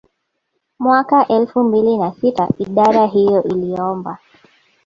Mwaka elfu mbili na sita idara hiyo iliomba